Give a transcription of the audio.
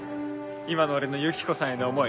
今の俺のユキコさんへの思い